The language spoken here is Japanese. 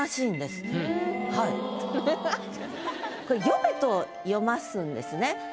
これ「よべ」と読ますんですね。